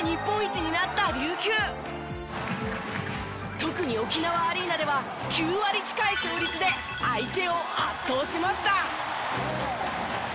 特に沖縄アリーナでは９割近い勝率で相手を圧倒しました。